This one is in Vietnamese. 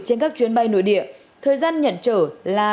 trên các chuyến bay nội địa thời gian nhận trở là